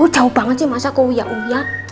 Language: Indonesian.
jauh banget sih masa aku uya uya